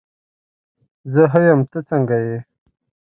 زه ښه یم، ته څنګه یې؟